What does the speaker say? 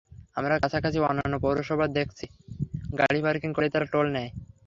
আমরা কাছাকাছি অন্যান্য পৌরসভায় দেখেছি, গাড়ি পার্কিং করলেই তারা টোল নেয়।